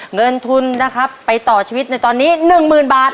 เงินทุนนะครับไปต่อชีวิตในตอนนี้๑๐๐๐บาท